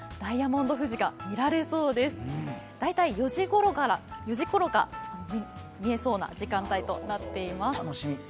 大体４時ごろが見えそうな時間帯となっています。